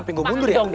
tapi gua mundur ya